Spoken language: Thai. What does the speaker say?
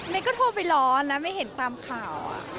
แม่ก็โทรไปรอนะไม่เห็นตามข่าว